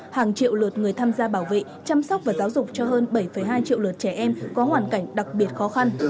hàng triệu lượt người tham gia bảo vệ chăm sóc và giáo dục cho hơn bảy hai triệu lượt trẻ em có hoàn cảnh đặc biệt khó khăn